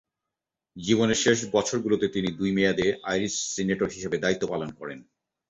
জীবনের শেষ বছরগুলোতে তিনি দুই মেয়াদে আইরিশ সিনেটর হিসেবে দায়িত্ব পালন করেন।